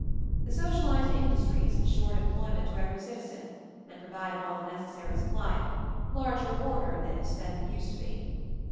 The Socialized industries ensured employ ment to every citizen, and provided all the necessaries of life — larger order this than it used to be.